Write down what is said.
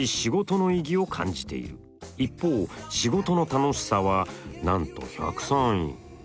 一方仕事の楽しさはなんと１０３位。